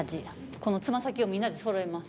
このつま先をみんなでそろえます。